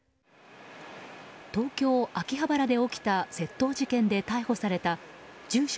東京・秋葉原で起きた窃盗事件で逮捕された住所